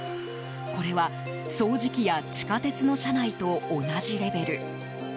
これは掃除機や地下鉄の車内と同じレベル。